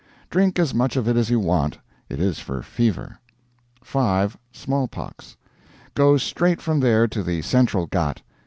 Drink as much of it as you want. It is for fever. 5. Smallpox. Go straight from there to the central Ghat.